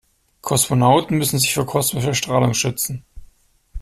Kosmonauten müssen sich vor kosmischer Strahlung schützen.